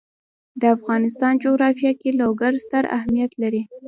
د افغانستان جغرافیه کې لوگر ستر اهمیت لري.